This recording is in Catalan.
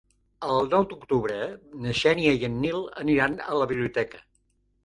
El nou d'octubre na Xènia i en Nil aniran a la biblioteca.